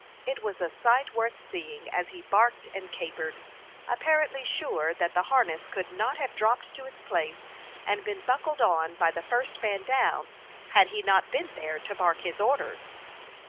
It was a sight worth seeing as he barked and capered, apparently sure that the harness could not have dropped to its place and been buckled on by the first man down, had he not been there to bark his orders.